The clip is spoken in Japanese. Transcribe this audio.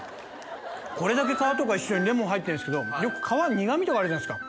これだけ皮とか一緒にレモン入ってるんですけどよく皮苦味とかあるじゃないですか。